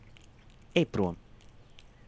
Ej prom.